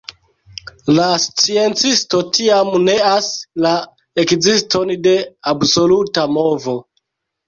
La sciencisto tiam neas la ekziston de absoluta movo.